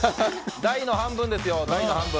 大の半分ですよ。